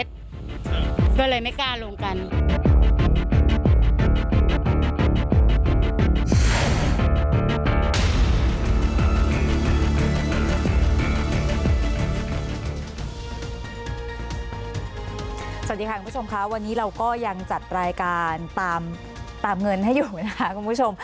สวัสดีค่ะคุณผู้ชมค่ะวันนี้เราก็ยังจัดรายการตามเงินให้อยู่นะคะคุณผู้ชม